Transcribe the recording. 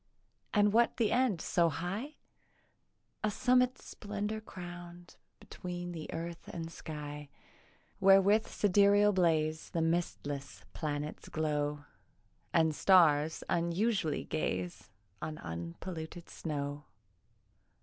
And what the end so high? A summit splendour crown'd Between the earth and sky, Where with sidereal blaze The mistless planets glow, And stars unsully'd gaze On unpolluted snow.